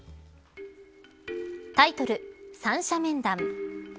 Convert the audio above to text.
タイトル、惨者面談。